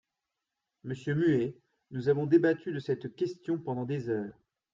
Monsieur Muet, nous avons débattu de cette question pendant des heures.